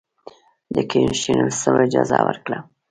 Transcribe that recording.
د کښېنستلو اجازه ورکړه.